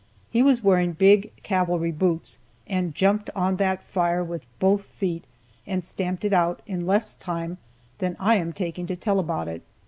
He was wearing big cavalry boots, and jumped on that fire with both feet and stamped it out in less time than I am taking to tell about it.